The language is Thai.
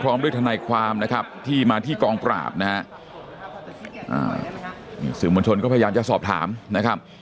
ด้วยทนายความนะครับที่มาที่กองปราบนะฮะสื่อมวลชนก็พยายามจะสอบถามนะครับ